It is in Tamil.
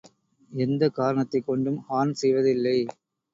எந்தக் காரணத்தைக் கொண்டும் ஹார்ன் செய்வது இல்லை.